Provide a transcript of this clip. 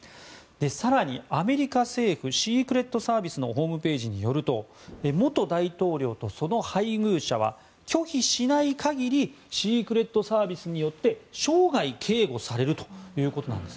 更に、アメリカ政府シークレットサービスのホームページによると元大統領とその配偶者は拒否しない限りシークレットサービスによって生涯警護されるということです。